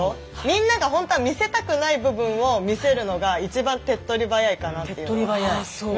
みんながほんとは見せたくない部分を見せるのが一番手っ取り早いかなっていうのは。